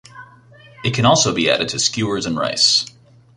It can also be added to skewers and rice.